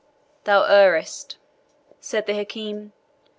"Thou errest," said the Hakim.